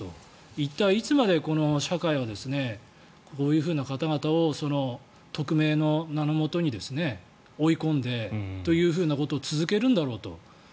一体いつまでこの社会はこういう方々を匿名の名のもとに追い込んでというふうなことを続けるんだろうと。